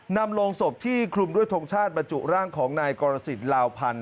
นำโรงศพที่คลุมด้วยทงชาติบรรจุร่างของนายกรสิทธิลาวพันธ